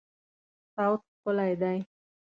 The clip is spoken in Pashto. صوت ښکلی دی